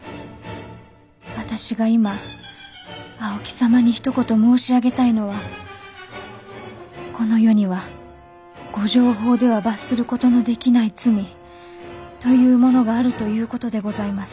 私が今青木様にひと言申し上げたいのはこの世には御定法では罰する事のできない罪というものがあるという事でございます。